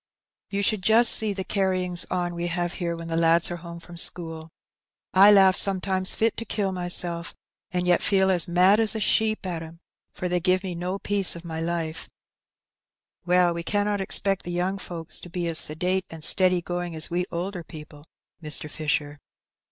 You should just see the carryings on 246 Her Benny. we have here when the lads are home from school. I laugh sometimes fit to kill myself, and yet feel as mad as a sheep at ^em, for they give me no peace of my life/' "Well, we cannot expect the young folks to be as sedate and steady.going as we older people, Mr. Fisher.